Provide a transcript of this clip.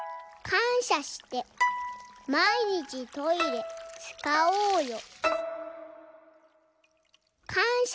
「かんしゃしてまいにちトイレつかおうよ」。